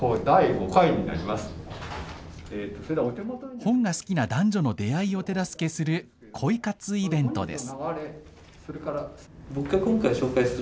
本が好きな男女の出会いを手助けする恋活イベントです。